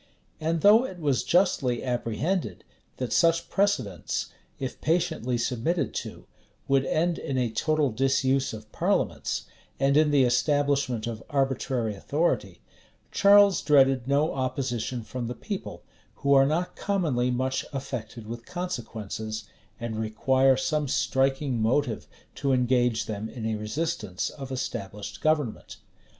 And though it was justly apprehended, that such precedents, if patiently submitted to, would end in a total disuse of parliaments, and in the establishment of arbitrary authority, Charles dreaded no opposition from the people, who are not commonly much affected with consequences, and require some striking motive to engage them in a resistance of established government.